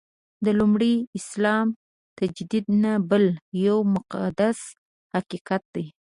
د لومړي اسلام تجدید نه منل یو مقدس حقیقت دی.